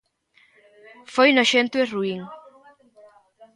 Foi noxento e ruín.